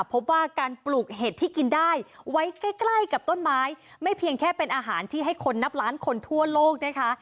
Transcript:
พบว่าการปลูกเห็ดที่กินได้ไว้ใกล้ใกล้กับต้นไม้ไม่เพียงแค่เป็นอาหารที่ให้คนนับล้านคนทั่วโลกนะคะ